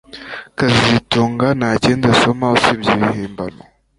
kazitunga ntakindi asoma usibye ibihimbano